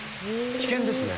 危険ですね。